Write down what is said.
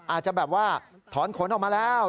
อาจจะแบบว่าถอนขนออกมาแล้ว